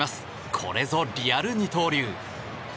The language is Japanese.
これぞリアル二刀流。